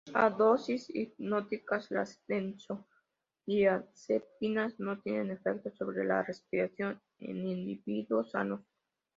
A dosis hipnóticas, las benzodiazepinas no tienen efectos sobre la respiración en individuos sanos.